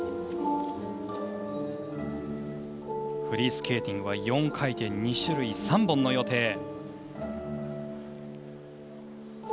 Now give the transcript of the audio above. フリースケーティングは４回転２種類、３本の予定。